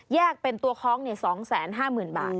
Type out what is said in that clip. แยกเป็นตัวค้อง๒๕๐๐๐๐บาท